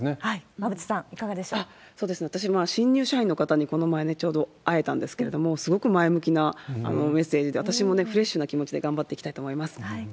馬渕さん、私、新入社員の方にこの前ね、ちょうど会えたんですけれども、すごく前向きなメッセージで、私もフレッシュな気持ちで頑張っていきたいと思います。